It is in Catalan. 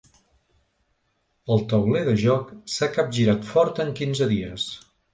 El tauler de joc s’ha capgirat fort en quinze dies.